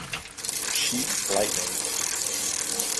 Sheet lightning.